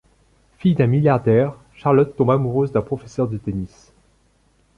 Fille d'un milliardaire, Charlotte tombe amoureuse d'un professeur de tennis.